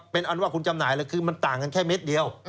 เป็นอันว่าคุณจำหน่ายเลยคือมันต่างกันแค่เม็ดเดียว